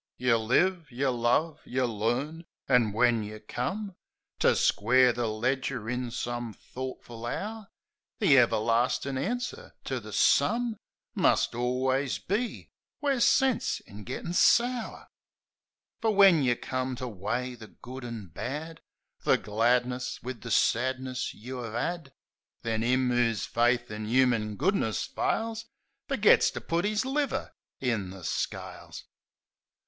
112 THE SENTIMENTAL BLOKE Yeh live, yeh love, yeh learn; an' when yeh come To square the ledger in some thortful hour, The everlastin' answer to the sum Must alius be, "Where's sense in gittin' sour?" Fer when yeh've come to weigh the good an' bad — The gladness wiv the sadness you 'ave 'ad — Then 'im 'oo's faith in 'uman goodness fails Fergits to put 'is liver in the scales.